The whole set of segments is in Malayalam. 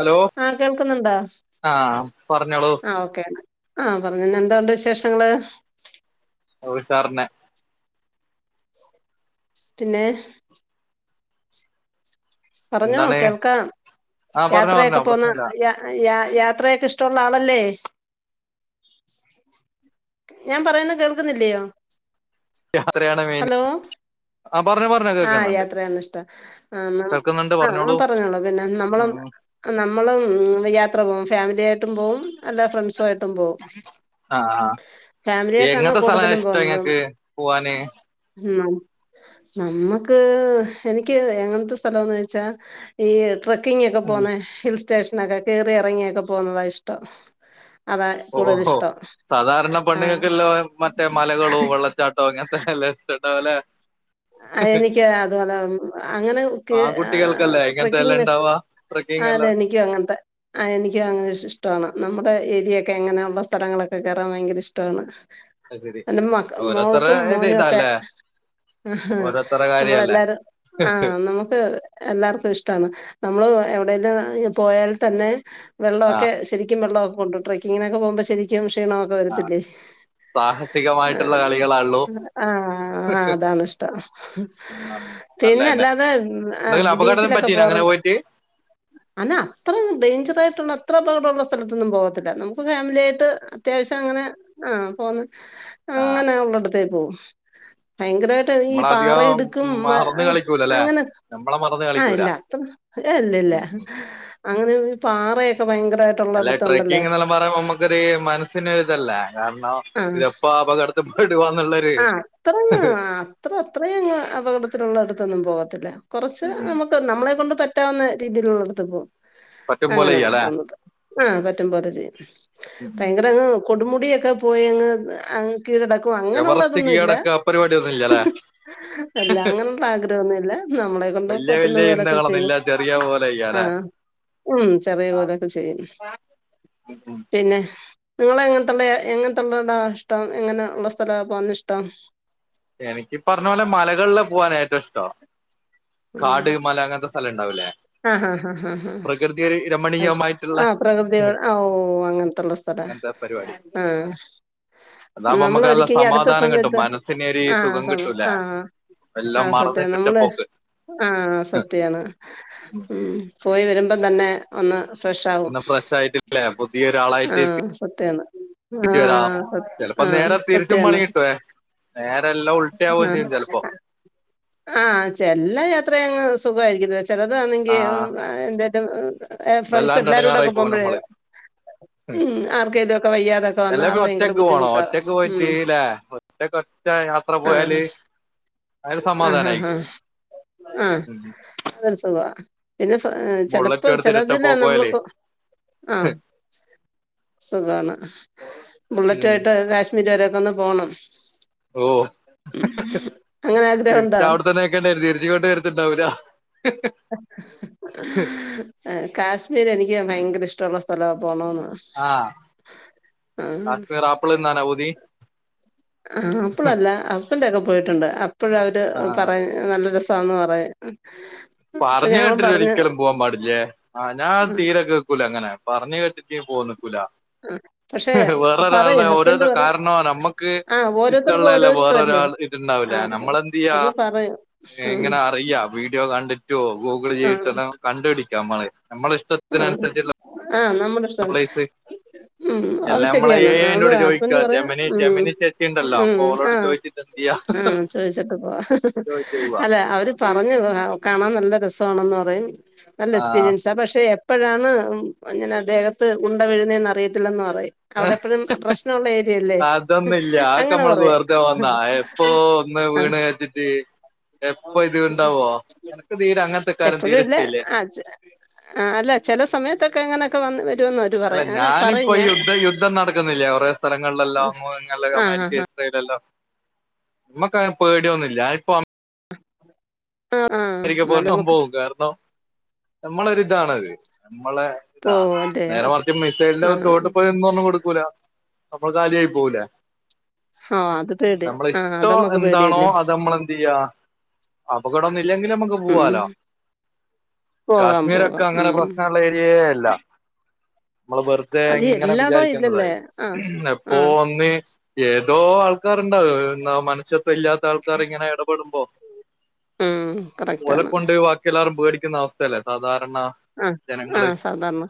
ഹലോ ആഹ കേൾക്കുന്നുണ്ടാ ആഹ് പറഞ്ഞോളൂ ആ ഓക്കേ ആഹ പറഞ്ഞന്നെ എന്താണ്ട് വിശേഷങ്ങള് ഓ സാറിനെ പിന്നെ പറഞ്ഞോ എന്താണ് കേൾക്കാം ആഹ് പറഞ്ഞോ പറഞ്ഞോ യാത്രയൊക്കെ പോന്ന പ്രശ്നല്ല യാ യാ യാത്രയൊക്കെ ഇഷ്ടള്ള ആളല്ലേ ഞാൻ പറയുന്ന കേൾക്കുന്നില്ലയോ യാത്രയാണ് മെയിന് ആഹ യാത്രയ്യാനിഷ്ട ആ മം ആഹ പറഞ്ഞോളൂ പിന്നെ നമ്മള ഉം നമ്മളും യാത്ര പോ ഫാമിലിയ ആയിട്ടും പോവും അല്ല ഫ്രണ്ട്സു ആയിട്ടും പോവും ആഹ് ഫാമിലിയായിട്ടാണ് എങ്ങനത്തെ സ്ഥല കൂടുതലും ഇഷ്ടം പോന്നതും ഇങ്ങക്ക് പോവാന് നമ്മുക്ക് എനിക്ക് എങ്ങനത്തെ സ്ഥലംന്ന് ഈ ട്രക്കിംഗ ഒക്കെ ഉം പോന്നെ ഹിൽ സ്റ്റേഷനൊക്കെ കേറി എറങ്ങിയൊക്കെ പോകുന്നതാ ഇഷ്ടം അതാ കൂടുതൽ ഓഹോ ഇഷ്ടം സാദാരണ ആ പെണ്ണുങ്ങൾക്കെല്ലാ മറ്റേ മലകളോ വെള്ളച്ചാട്ടോ അങ്ങനത്തെ എല്ലാം ഇ ഉണ്ടാവുല്ലെ എനിക്ക് അതുപൊലെ അങ്ങനെ കേ ആൺകുട്ടികൾക്കല്ലേ ഇങ്ങനത്തെല്ലാം ട്രക്കിങ്ങിന് ഉണ്ടാവാ ട്രക്കിങ് അതെ എല്ലാം എനിക്കഅങ്ങനത്തെ ആ എനക്ക് അങ്ങന ഇഷ്ടമാണ് നമ്മുടെ ഏ യേക്കെ അങ്ങനെയുള്ള സ്ഥലങ്ങളൊക്കെ കേറാൻ ഭയങ്കര ഇഷ്ടാണ് അത് ശരി എന്റെ മക്ക ഓരോരുത്തരെ മോൾക്കും ഇത് മോനും ഒക്കെ ഇതാല്ലേ ആ ഓരോരുത്തരെ കാര്യല്ലേ നമ്മളെല്ലാരും ആ നമുക്ക് എല്ലാർ ഇഷ്ടമാണ് നമ്മള് എവിടെലും പോയാൽ തന്നെ വെള്ളമൊക്കെ ആഹ് ശരിക്കും വെള്ളം ക്കൊണ്ട് ട്രക്കിങ്ങിനൊക്കെ പോകുമ്പോ ശരിക്കും ക്ഷീണമൊക്കെ വരത്തില്ലേ ആ സാഹസികമായിട്ടുള്ള കളികളാള്ളൂ ആഹ് ആ് അതാണ് ഇഷ്ടം നല്ലതന്നെ പിന്നെല്ലാതെ ആ എന്തെങ്കിലും അപകടം ബീച്ചിലൊക്കെ പറ്റീനോ അങ്ങനെ പോവാറുണ്ട് പോയിട്ട് അന അത്ര ഡേയ്ഞ്ചറായിട്ടുള്ള അത്ര അപകടമുള്ള സ്ഥലത്തൊന്നും പോകത്തില്ല നമുക്ക് ഫാമിലി ആയിട്ട് അത്യാവശ്യം അങ്ങനെ ആ പോക്ന്ന ആഹ് അങ്ങനെ ഉള്ളടത്തേ പോവൂ ഭയങ്കര ഈ നമ്മളധികം പാറഇടുക്കും മറന്ന് കളിക്കൂലല്ലേ അങ്ങനെ നമ്മളെ മറന്ന് കളിക്കൂല അല്ല ഇല്ല അങ്ങനെ പാറയൊക്കെ ഭയങ്കര അല്ല ട്രക്കിങ് എന്നല്ലാം പറയുമ്പോ നമുക്കൊരു മനസ്സിനൊ ഒരുതല്ലെ കാരണം ആഹ് ഇതപ്പോ അപകടത്ത് പെടുവോന്ന്ള്ളര് ത്രങ്ങ അത്ര അത്ര [unintelligible] അപകടത്തിലുള്ള അടുത്തൊന്നും പോകത്തില്ല കുറച്ച് നമുക്ക് നമ്മളെ കൊണ്ട് പറ്റു പറ്റാവുന്ന രീതീലുള്ളോട്ത്ക്ക് പോവും പറ്റും പോലെ അങ്ങനെയ ചെയ്യാല്ലേ പോന്നത് ആഹ് പറ്റും പോലെ ചെയ്യും ഭയങ്കര കൊടുമുടിയൊക്കെ പോയി അങ്ങ് അ കീഴടക്കും എവറസ്റ്റ് അങ്ങനെള്ളതൊന്നും ഇല്ല കീഴടക്ക പരിപാടി ഒന്നും ഇല്ലല്ലേ അല്ല അങ്ങനുള്ള ആഗ്രഹൊന്നുമല്ല നമ്മളെ കൊണ്ട് വല്യ പറ്റുന്ന വല്യ പോലൊക്കെ ചെയ്യും ചിന്തകളൊന്നുമില്ല ചെറിയ പോലെ ചെയ്യാല്ലേ ആഹ് ഉം ചെറിയ പോലൊക്കെ ചെയ്യും പിന്നെ നിങ്ങള എങ്ങനത്തുള്ള എങ്ങനത്തുള്ളടാ ഇഷ്ടം എങ്ങനെ ഉള്ള സ്ഥലാ പോവാനിഷ്ടം എനിക്കി പറഞ്ഞ പോലെ മലകളിൽ പോകൻ ഏറ്റവും ഇഷ്ടം ഉം കാട് മല അങ്ങനത്തെ സ്ഥലംണ്ടാവൂലേ ആഹ് ഹ് ഹ് അ ആഹ് അത്ശ രമണീയമായിട്ടുള്ള ആ പ്രകൃതിയൊട് ആ ഓ ഓ ഓ അങ്ങനതുള്ള സ്ഥലാ അങ്ങനത്തെ പരിപാടി ആഹ് അതാവുമ്പോ നമ്മള് നമുക്ക് നല്ല ഒരിക്ക ഈ അടുത്ത സമാധാനം കിട്ടും സമയത്ത് മനസ്സിന് ഒരു ആഹ് സുഖം സം കിട്ടൂലേ ആഹ് എല്ലാം ആഹ് സത്യം മറന്നിട്ടിട്ട് നമ്മള് പോക്ക് ആ സത്യാണ് ഉം പോയി വരുമ്പം തന്നെ ഒന്ന് ഫ്രഷ് ആവും ഇന്ന് ഫ്രഷ് ആയിട്ടില്ലേ പുതിയ ഒരാളായിട്ട് ആഹ് സത്യാണ് തിരിച്ചു വരാ ആഹ് സ ചിലപ്പോ ആഹ് നേരെ തിരിച്ചും സത്യാണ് പണി കിട്ടുവേ നേരെ എല്ലാം ആഹ് ഉൾട്ടയാവുകയുംചെയ്യും ചെലപ്പോ ആഹ് ചെല്ല അത്ര അങ്ങ് സുഖമായിരിക്കില്ല ചിലതാണെങ്കിൽ ആഹ് എന്തേ ഏ ഫ്രണ്ട്സ് വല്ലാണ്ട് എല്ലാരും കൂടെ എടങ്ങാറായി ഒക്കെ പോകും പോകുമ്പഴേ നമ്മള് ഉം ആർക്കെലൊക്കെ വയ്യാതൊക്കെ വന്നാ അല്ലേ അത് പിന്നെ ഭയങ്കര ഒറ്റക്ക് പോണോ ബുദ്ധിമുട്ടാ ഒറ്റക്ക് ഉം പോയിട്ട് ല്ലേ ഒറ്റക്ക് ഒറ്റ യാത്ര ആഹ് പോയാല് അതൊരു ആഹ് ആഹ് സമാധാനായിരിക്കും ആഹ് ആഹ് ഉം അതൊരു സുഗാ പിന്നെ ചെലപ്പോ ബുള്ളറ്റും എടുത്തിട്ട് ഒറ്റ ചെലതില്ല പോക്ക് പോയാലേ നമ്മൾപ്പോ ആഹ് സുഖമാണ് ബുള്ളറ്റ് ഉം ആയിട്ട് കാശ്മീര് വരെയൊക്കെ ഒന്ന് പോണം ഓ അങ്ങനെ ആഗ്രഹണ്ടോ തിരിച്ച് അവിടെത്തന്നെ നിക്കേണ്ടിവരും തിരിചിങ്ങോട്ട് വരത്തിണ്ടാവൂലാ കാശ്മീർ എനിക്ക് ഭയങ്കര ഇഷ്ടമുള്ള സ്ഥലവ പോണംന്ന് ആഹ് ആഹ് കാശ്മീർ ആപ്പിൾ തിന്നാനാ പൂതി ആ അപ്പളല്ല ഹസ്ബൻണ്ടൊക്കെ പോയിട്ടുണ്ട് അപ്പോഴ അവര് ആഹ് പറയ നല്ല രസാ രസാന്ന് പറയാ പറഞ് കേട്ടിട്ട് ഒരിക്കലും പോവാൻ പാടില്ലേ ആ ഞാൻ തീരെ കേക്കൂല അങ്ങനെ പറഞ്ഞ് കേട്ടി കേട്ടിട്ട് പോവാൻ നിക്കൂലാ പക്ഷെ വേറൊരാൾടെ പറയും ഹസ്ബൻഡ് ഓരോരോ പറ കാരണം നമ്മുക്ക് ആഹ് ഓരോരുത്തർക്കും ഓരോ ഇഷ്ടള്ളെല്ല വേറൊരാ ഇഷ്ടല്ലേ [unintelligible] ഇണ്ടാവുല ആഹ് അതൊക്കെ നമ്മളെന്തെയ്യ അപ്പൊ പറയും ഉം എങ്ങനെ അറിയ വീഡിയോ [unintelligible] [unintelligible] ഗൂഗിൾ ചെയ്തിട്ട്ല്ലാം കണ്ടുപടിക്കാം നമ്മള് നമ്മള [unintelligible] ആഹ ആഹ നമ്മുടെ ഇഷ്ട പ്ലേസ് ഉം അത് എല്ലാ നമ്മളെ ശരിയാണ് എ ഐ നള് ന്റോട് ചോദിക്കാ ഹസ്ബൻഡ് പറയാ ജെമിനി ഉ ജെമിനി ചേച്ചി ഉണ്ടല്ലോ ഉ അപ്പൊ ഓളോട് ആഹ ചോദിച്ചിട്ട് എന്ത്യ്യാ ആഹ ചോദിച്ചിട്ട് പോ ഹഹഹ ചോദിച്ചു പോവാ അല്ലെ അവര് പറഞ്ഞ ഉം കാണാൻ നല്ല രസ രസാണ് പറയും നല്ല ആഹ് എക്സ്പീരിയൻസാ പക്ഷെ ഇപ്പോഴാണ് ഉം ങ്ങനെ ദ്ദേഹത്ത് ഉണ്ട വീഴുന്നേ അറിയത്തില്ലെന്ന് പറഞ് അവിടെ എപ്പഴും പ്രശ്നമള്ള ഏരിയല്ലേ അതൊന്നുല്ല അതൊക്കെ അങ്ങനെ നമ്മൾക്ക് പറയാ വെറുതെ വന്നാ എപ്പോ ഒന്ന് വീണ് കരുതീട്ട് എപ്പൊ ഇത് ആഹ് ഉണ്ടാവോ എനക്ക് തീരെ അങ്ങനത്തെ കാരും എപ്പഴും തീരെ ഇല്ല ഇഷ്ടയില്ലേ ആ ആ അല്ല ചില സമയത്തൊക്കെ അങ്ങനെയൊക്കെ വന്ന് [unintelligible] അല്ല പറയും അങ്ങനെ പറയും ഞാനിപ്പോഈ ഞാൻ യുദ്ധ യുദ്ധം നടക്കുന്നില്ലേ കുറേ സ്ഥലങ്ങളിലല്ലോ [unintelligible] ആ ആ അമേരിക്ക ഇസ്രായലല്ലോ നമ്മക്ക് പേടിയൊന്നുമില്ല ഇപ്പൊ [inaudible] അമേരിക്ക എന്നാലും പോരണം നമുക്ക് പോകവും കാരണം നമ്മളൊരിതാണത് നമ്മളെ ഇതാ പോവും അല്ലേ ആ നേരെ മറച്ച് മിസൈലിന്റെ ചോട്ട് പോയൊന്നും നിന്ന് കൊടുക്കൂല അപ്പൊ കാലിയായി പോവുലെ ആ അത് പേടിയാ നമ്മള ആ ഇഷ്ടോ അതമ്മക്ക് എന്താണോ പേടിയല്ലേ അത് നമ്മള എന്ത് ചെയ്യാ അപകടതൊന്നും ന്നും ഇല്ലെങ്കില് നമക്ക് ഉം പോവാലോ പോകാം കാശ്മീരൊക്കെ പോകാം അങ്ങനെ ഉം പ്രശ്നള്ള ഏരിയയേ അല്ല നമ്മള് വെറുതെ അത് ഇങ്ങനെ എല്ലാടോം ഇല്ലല്ലേ വിചാരിക്കുന്നതായി ആ എപ്പോ ആ ഒന്ന് ഏതോ ആൾക്കാരുണ്ടാവ എന്നാ മനുഷ്യത്വ ഇല്ലാത്ത ആൾക്കാർ ഇങ്ങനെ ഇടപെടുമ്പോ ഉം ഓല കറക്റ്റാണ് കൊണ്ട് പോയി ബാക്കി എല്ലാവരും പേടിക്കുന്ന അവസ്ഥയല്ലേ സാധാരണ [unintelligible] ആ ആ ജനങ്ങള് സാധാരണ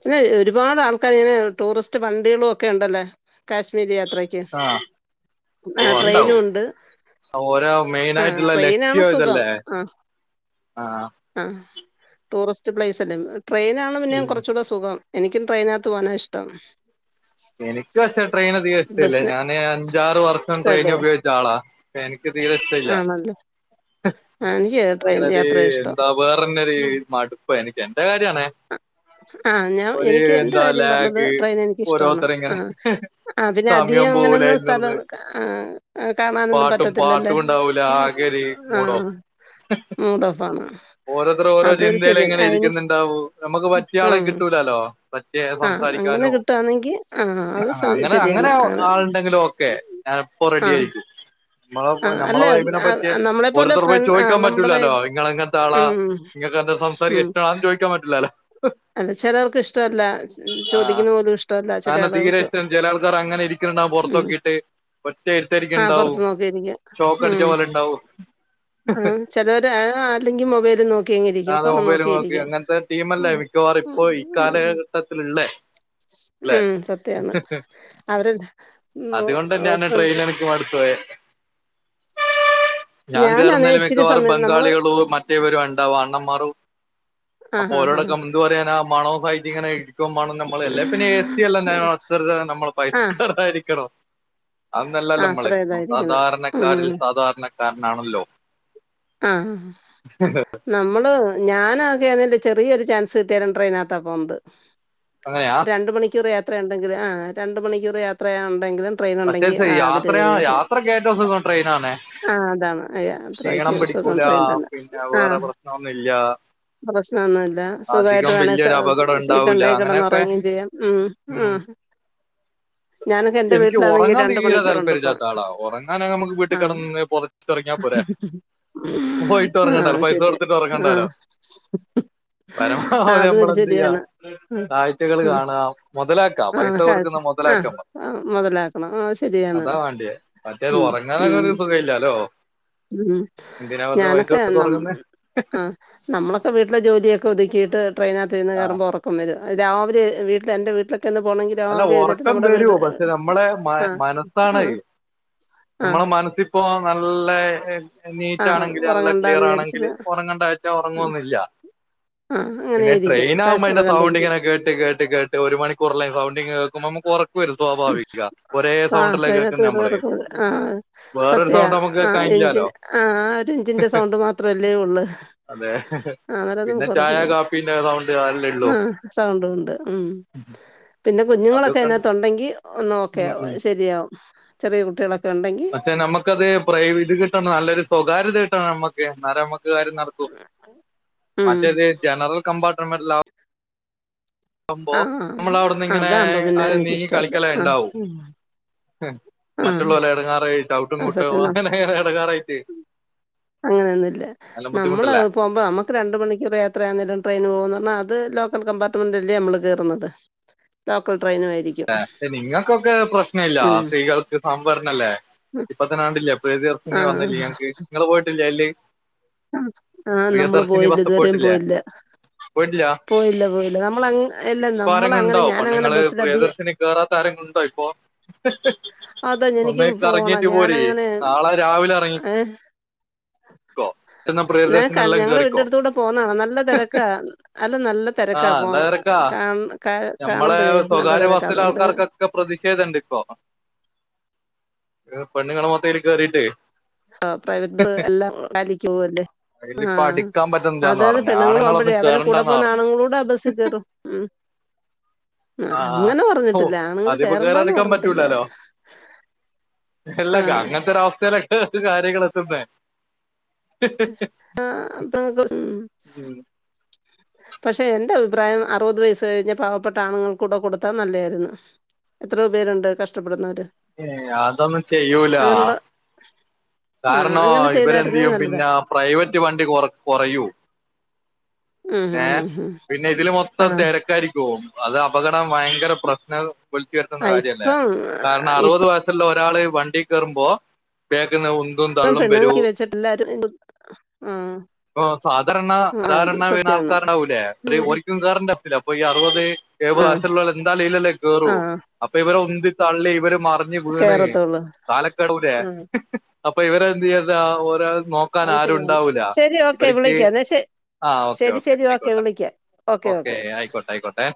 പിന്നെ ഒരുപാട് ആൾക്കാർ ഇങ്ങനെ ടൂറിസ്റ്റ് ടുറിസ്റ് വണ്ടികളും ഒക്കെ ഉണ്ടല്ലോ കാശ്മീരി യാത്രയ്ക്ക് ആഹ് ആ ഓ ട്രെയിനും ഉണ്ടാവും ഉണ്ട് ഓരോ മെയിൻ ആ ആയിട്ടുള്ള ട്രെയിനാണ് ലക്ഷ്യോ സുഖം ഇതല്ലേ ആ ആഹ ആ ടൂറിസ്റ്റ് പ്ലൈസ് [unintelligible] ട്രെയിന ആണ് പിന്നെ ഉം കുറച്ചൂടെ സുഖം എനിക്കും ട്രെയിനകത്ത് പോകാനാ ഇഷ്ടം. എനക്ക് പക്ഷേ ട്രെയിൻ അധികം ഇഷ്ടമല്ലേ, ബസിന് ഞാന് അഞ്ചാറ് വർഷം ട്രെയിൻ ഇഷ്ടല്ലേ ഉപയോഗിച്ച ആളാ എനിക്ക് തീരെ ഇഷ്ട ഇല്ല. ആണല്ലേ ആ എനിക്ക് ട്രെയിൻ അങ്ങനെത് യാത്രയാ ഇഷ്ടം എന്താ വേറെന്നെ ഒരു ഉം. മാട് പ്പ് എനിക്ക് എന്റെ കാര്യണ ആ ഞാൻ ഒരു എനിക്ക് എന്റെ ന്താ കാര്യം പറഞ്ഞത് ലാഗ് ട്രെയിൻ ഓരോ എനിക്കിഷ്ടമാണ് ആ ഇത്രങ്ങനെ ഹ് ഹേ ആ പിന്നെ അധികം അങ്ങനൊന്നും സ്ഥലം ആ കാണാനൊന്നും പാട്ടും പറ്റത്തില്ലല്ലേ പാട്ടും ഉണ്ടാവൂല ആകെ ഒരു മൂഡ് ഓഫ് ആഹ മൂടോഫാണ്. ഓരത്ര ഓരോ ചിന്ത [unintelligible] [unintelligible] എങ്ങനെ ഇരിക്കുന്നുണ്ടാവും നമുക്ക് പറ്റിയ ആളെ ഉം കിട്ടൂലല്ലോ പറ്റിയ ആ അങ്ങനെ സംസാരിക്കാനോ കിട്ടുവാണെങ്കി അത് ആ സ- അങ്ങനെ അങ്ങനെ ശരിയാണ് ആൾണ്ടെങ്കിലും ഓക്കെ ഞാനിപ്പോ ആ റെഡി ആയിരിക്കും നമ്മളെ ആ അല്ല നമ്മളെ വൈഫിനെ ആ, പറ്റി നമ്മളെപ്പോലെ ഒരുരുത്തർ പോയി ഫ്രണ്ട് ആ ചോദിക്കാൻ നമ്മുടെ പറ്റൂല്ലല്ലോ ഇങ്ങളങ്ങനത്തെ ഉം [unintelligible] [unintelligible] ഉം ഇഷ്ട ആണന്ന് ചോദിക്കാൻ പറ്റില്ലല്ലേ [unintelligible] അല്ല ചിലവർക്ക് ഇഷ്ടമല്ല ആ ചോദിക്കുന്ന പോലും ഇഷ്ടല്ല ചെല ആളുകൾക്ക് ഉം പുറത്തക്കിട്ട് [unintelligible] ഒറ്റ ഇരുത്തരിക്ക ആ ഉണ്ടാവും പുറത്ത് നോക്കിയിരിക്കും ശോക്ക അടിച്ച ഉം പോലെ ഇണ്ടാവും. ആ ചെലര് ആഅല്ലെങ്കിൽ മൊബൈല് [unintelligible] അത ഫോൺ മുമ്പൈലും നോക്കി നോക്കിയിരിക്കും അങ്ങനത്തെ ടീംല്ലേ ഉം മിക്കവാറും ഉം ഇപ്പോ ഈ ഉം കാലഘട്ടത്തിലുള്ളേ അല്ലെ ഉം സത്യാണ് അവരെ മ് അതുകൊണ്ട് എ തന്നെയാണ് ട്രെയിൻ ഫ്രണ്ട്സ് [unintelligible] എനിക്ക് മടുത്തത് ഞാൻ ഞാനാണ് കേറുന്നതിലും ഇച്ചിരി മിക്കവാറും സമയം നമ്മള് ബംഗാളികളും മറ്റേവരും [inaudible] അണ്ണമാരും ആ അപ്പൊ ആ ആ ഓരോടക്കം എന്തു പറയാന ആ മണവും സഹിച്ച് ഇങ്ങനെ ഇരിക്കു മാണംനമ്മള് അല്ലേ പിന്നെ എ സി എല്ല [unintelligible] [unintelligible] നമ്മളെ ആ പക്കറാരിക്കണം. അതന്നല്ലല്ലോ ആ നമ്മള് അത്ര ഇതായിരിക്കുന്നെ സാധാരണക്കാരിൽ ഉം സാധാരണക്കാരനാണല്ലോ? ആഹ്. നമ്മള് ഞാനൊക്കെതിന്റെ ചെറിയൊരു ചാൻസ് കിട്ടിയാലും ട്രെയിനകത്താ പോവുന്നത്. അങ്ങനെയാ രണ്ടു മണിക്കൂർ യാത്ര ഉണ്ടെങ്കിൽ ആ രണ്ട മണിക്കൂർ യാത്ര ഉണ്ടെങ്കിലും ട്രെയിൻ ഉണ്ടെങ്കി യാത്രയാ യാത്രക്കേറ്റവും സുഖം ട്രെയിനാണേ. ആ അതാണ് ക്ഷീണം യാത്രയ്ക്ക് സുഖം പിടിക്കൂല ട്രെയിൻ തന്നെ പിന്നെ വേറെ പ്രശ്നം ഒന്നും ഇല്ല. പ്രശ്നം ഒന്നുല്ല സുഖമായിട്ട് വേണമെ അപകടം സീറ്റ് ഉണ്ടാവൂല ഉണ്ടേ അങ്ങനെയൊക്കെ കിടന്നുറങ്ങയും ചെയ്യാം, ഉം ഉം. എനിക്ക് ഉറങ്ങാൻ രണ്ട് തീരാ താല്പ മണിക്കൂറുണ്ട് ര്യ ഇപ്പൊ ഇല്ലാത്ത ആളാ ഉറങ്ങാനാണേ നമുക്ക് വീട്ടിൽ ആ കിടന്ന് പുതച്ച് ഉറങ്ങിയ പോരേ പോയിട്ട് ഉറങ്ങ ആയ് ശരിയാ ആഹ്. ആ പരമാവധി നമ്മൾ അതൊരു എന്ത് ചെയ്യാ ശരിയാണ് കാഴ്ചകൾ കാണുക മുതലാക്കാം ആ പൈസ കാഴ്ച കൊടുക്കുന്ന ആഹ്. മുതലാക്കാം ആ മെതലാക്കണം ആയ ശരി അതാ വാണ്ടിയേ മറ്റേത് ഉറങ്ങാനാ ണേ ഉം ഒരു സുഖല്ലാലോ. ഉം ഞാനൊക്കെ ന ഉറങ്ങുന്നേ ആ നമ്മളൊക്കെ വീട്ടിലെ ജോലിയൊക്കെ ഒതുക്കിട്ട് ട്ടെ ട്രെയിനകത്ത്ന്ന് ആ കയറുമ്പോൾ ഉറക്കം വരും രാവിലെ വീട്ടിൽ എന്റെ വീട്ടിലെ അല്ല ഉറക്കം വരോ പക്ഷെ നമ്മളെ മ ആഹ് മനസ്സാണേ ആഹ് നമ്മള ആഹ് മനസ്സി ഇപ്പോ ന ല്ലേ നീറ്റ് ആഹ് ആണെങ്കിൽ നല്ല ക്ലിയർ ഉറങ്ങണ്ടാന്ന് വിചാരിച്ചത് ആണെങ്കില് ഉറങ്ങേണ്ട വച്ചാ ഉം ഉറങ്ങുവൊന്നില്ല. ആഹ് അങ്ങനെ പിന്നെ ഇരിക്കും ട്രെയിൻ ആകുമ്പോ കാഴ്ചകൾ അതിന്റെ സൗണ്ടി കണ്ടിരിക്കും ഇങ്ങനെ കേട്ട് കേട്ട് കേട്ട് ഒരു മണിക്കൂറല്ല സൗണ്ടി കേക്കുമ്പോ ഞമ്മക്ക് ഒർ ക്കുവരും സ്വാഭാവികാ ഒരേ സൗണ്ട് ആഹ് അല്ലേ ട്രെയിനകത്ത് കേക്കുന്നത് കയറുമ്പോ നമ്മള്‌ ഉറക്കം വരും ആഹ് വേറൊരു സത്യ സൗണ്ട് നമുക്ക് ആഹ് കേക്കാനി എഞ്ചിൻ ആ ആ ഒരു എഞ്ചിന്റെ സൗണ്ട് മാത്രമല്ലേ ഉള്ളു. അതെ പിന്നെ ചായ കാപ്പീന്റെ സൗണ്ട് അല്ലേ ഉള്ളു. ആഹ് സൗണ്ടും ഉണ്ട് ഉം ഉ [unintelligible] പിന്നെ കുഞ്ഞുങ്ങളൊക്കെ അതിനകത്തുണ്ടെങ്കി ഒന്ന് ഓക്കെ ഉം ആവും ഉം ശരിയാവും ചെറിയ കുട്ടികളൊക്കെ ഉണ്ടെങ്കി പക്ഷെ നമ്മക്കത് പ്രൈവ് ഇത് കിട്ടാൻ നല്ലൊരു സൊ സ്വകാര്യത കിട്ടണം നമ്മക്ക് എന്നാലേ നമ്മക്ക് കാര്യം നടക്കു ഉം മറ്റേത് ജനറൽ കമ്പാർ റ്റ്മെന്റിലാർക്ക് വുമ്പോ ആ നമ്മള് അവിടുന്ന് ഇങ്ങനെ അതാകുമ്പോ പിന്നെ അത് നീങ്ങി എനിക്കിഷ്ടല്ല കളിക്കളേ ആ ഉണ്ടാവും. ങും ആ മറ്റുള്ള പോലെ ഇടങ്ങാറായി ചവിട്ടും ആ കുട്ടോ മാ അങ്ങനെ ഇടങ്ങാറായിട്ട്. അങ്ങനെയൊന്നും ഇല്ല നമ്മള് പോകുമ്പോ നമുക്ക് രണ്ട് മണിക്കൂർ യാത്രയാകുന്ന നേരം ട്രെയിന് പോകന്ന് പറഞ്ഞാൽ അത് ലോ ലോക്കൽ കമ്പാർട്ട്മെന്റ് അല്ലേ നമ്മള് കേറുന്നത് ലോക്കൽ ട്രെയിനു ആയിരിക്കും ന്നെ നിങ്ങൾക്കൊക്കെ പ്രശ്ന ഇല്ല ഉം സ്ത്രീകൾ ക്ക് സംഭരണല്ലേ ഇപ്പത്തന്നെ കണ്ടില്ലേ പ്രിയ ആ ദർശിനി വന്നില്ലേ ഞങ്ങക്ക് നിങ്ങള് പോയിട്ടില്ലേ അയില്. അ ആഹ് നമ്മള് പ്രിയദർശിനി പോയില്ല ബസ് ഇതുവരെയും പോയിട്ടില്ലേ പോയില്ല. പോയിട്ടില്ല പോയില്ല പോയില്ല നമ്മളങ്ങ് ഇല്ല ഇപ്പൊ നമ്മള ആരെങ്കിലുണ്ടോ അങ്ങനെ ഞാന് അങ്ങനെ പെണ്ണുങ്ങള് ബസി പ്രിയദർശിനി കേറാത്ത ആരെങ്കിലും ഉണ്ടോ ഇപ്പൊ. അതാ ഒന്ന് എനിക്കും പോണം കറങ്ങീട്ട് പോര് ഞാനങ്ങനെ നാളെ രാവിലെ ഇറങ്ങിക്കോ. ഞാൻ ക ഞങ്ങളുടെ വീടിന്റെ അടുത്തൂടെ പോകുന്ന കാണാം, നല്ല തിരക്കാ അല്ല നല്ല തിരക്കാ ആഹ് നല്ല പോന്ന തെരക്കാ കാണ് കാ ഞമ്മളെ കാണുമ്പോഴേ നല്ല സ്വകാര്യ തിരക്കാ ബസിലെ അതുകൊണ്ട് ആൾക്കാർക്ക് ഒക്കെ പ്രതിഷേധം ഇണ്ട് ഇപ്പോ. നിങ്ങൾ പെണ്ണുങ്ങൾ മൊത്ത അതില് കേറിയിട്ടേ ആ പ്രൈവറ്റ് എല്ലാം കാലിക്ക് പോവ് അല്ലേ. ആ അയിലിപ്പ അടിക്കാൻ പറ്റുന്നില്ലാന്ന് അതാത് പറഞ്ഞ് പെണ്ണുങ്ങൾ പോകുമ്പോഴേ ആണുങ്ങളൊന്നും അവരെ കൂടെ കേറണ്ടാന്നാ പോകുന്ന പറഞ്ഞെ ആണുങ്ങളൂടെ ആ ബസിക്കേറും. ആ ഹൊ ആണുങ്ങൾ അതിപ്പോ കേറണ്ടാന്ന് കേറാരിക്കാൻ പറഞ്ഞിട്ടില്ല പറ്റൂലാലോ. എല്ലാം ആഹ് അങ്ങനത്തെ ഒരവസ്ഥയിലോണ്ട് കാര്യങ്ങളൊത്തു ന്നേ. ആ ആ. [unintelligible] ഉം പക്ഷെ എന്റെ അഭിപ്രായം അറുപത് വയസ്സ് കഴിഞ്ഞ പാവപ്പെട്ട ആണുങ്ങൾക്ക് കൂടെ കൊടുത്താൽ നല്ലയാരുന്നു. എത്രയോ പേരുണ്ട് കഷ്ടപ്പെടുന്നവര്. ഏ അതൊന്നും ചെയ്യൂല. അങ്ങനെയുള്ള ആഹ് കാരണോ അങ്ങനെ ഇവരെന്ത് ചെയ്തായിരുന്നേ ചെയ്യും നല്ലതാ പിന്നെ പ്രൈവറ്റ് വണ്ടി കൊറ കൊറയൂ ഉം ഏ ഉം ഉം ഉം പിന്നെ ഇതില് മൊത്തം ആഹ് തിരക്കാരിക്കുവോ അത് അപകടം ഭയങ്കര പ്രശ്നം വിളിച്ചു വരുത്തുന്ന കാര്യ അല്ലേ ഇപ്പം കാരണം ഇ അറുപത് വയസുള്ള ഒ ഒരാള് വണ്ടീ കേറുമ്പോ ഏ പ്പം പെണ്ണ് ആക്കി വെച്ചിട്ടില്ലാരും ആ ഓ സാധരണ സാധാരണ വീണ ആൾക്കാരാവൂലേ അത് ഉം ഓരിക്കും കേറന്റെ സ്ഥിരം അപ്പൊ ഈ അറുപത് ആഹ് വയസുള്ള ആള് എന്താലും ഇലല്ലേ കേറൂ ആഹ് അപ്പൊ ഇവര് ഉന്തി തള്ളി ഇവര് മറിഞ്ഞ് വീണ് കേറത്തുള്ളൂ താലക്കടു ലെ ഉം അപ്പൊ ഇവര് എന്ത്യ താ ഒരാ നോക്കാൻ അത് ശരിയാണ് ആരുണ്ടാവൂല ശരി ഓക്കെ ഇവർക്ക് വിളിക്കാം എന്നാ ശ ആ ഓക്കെ ശരി ഓക്കെ ശരി ആയിക്കോട്ടെ വിളിക്കാം ഓക്കെ ഓക്കേ ഓക്കെ ഓക്കെ ആയിക്കോട്ടെ ആയിക്കോട്ടെ